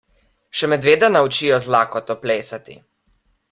Še medveda naučijo z lakoto plesati.